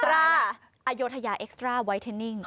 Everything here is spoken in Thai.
รออโยธยาเอ็กซ์ตราไวเทนนิ่ง